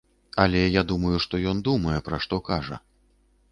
Але я думаю, што ён думае, пра што кажа.